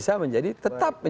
kami mengingatkan kepada pak rawi